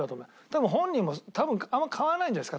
多分本人もあんま買わないんじゃないですか？